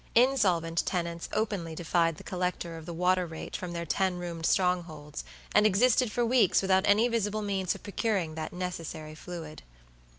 Insolvent tenants openly defied the collector of the water rate from their ten roomed strongholds, and existed for weeks without any visible means of procuring that necessary fluid.